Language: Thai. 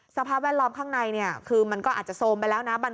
สภาพแวดล้อมข้างในคือมันก็อาจจะโซมไปแล้วนะ